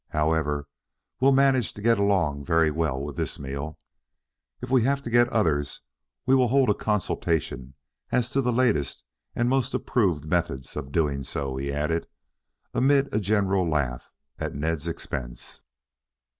However, we'll manage to get along very well with this meal. If we have to get others we will hold a consultation as to the latest and most approved methods of doing so," he added, amid a general laugh at Ned's expense.